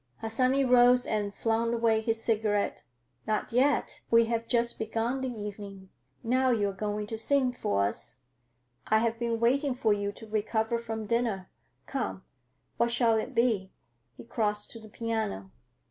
Harsanyi rose and flung away his cigarette. "Not yet. We have just begun the evening. Now you are going to sing for us. I have been waiting for you to recover from dinner. Come, what shall it be?" he crossed to the piano.